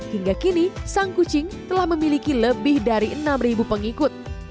hingga kini sang kucing telah memiliki lebih dari enam pengikut